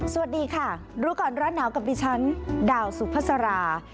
สวัสดีค่ะรู้ก่อนร้อนหนาวกับดิฉันดาวสุภาษารา